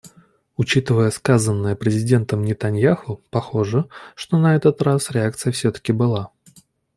Учитывая сказанное президентом Нетаньяху, похоже, что на этот раз реакция все-таки была.